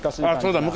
そうだ。